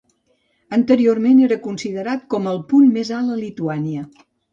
Anteriorment era considerat com el punt més alt a Lituània.